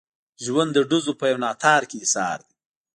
ژوند د ډزو په یو ناتار کې ایسار دی.